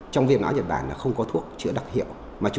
trong viêm não nhật bản không có thuốc chữa đặc hiệu